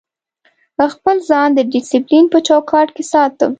خپل ځان د ډیسپلین په چوکاټ کې ساتم.